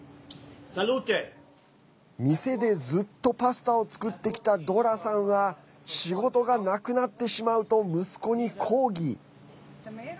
店でずっとパスタを作ってきたドラさんは仕事がなくなってしまうと息子に抗議。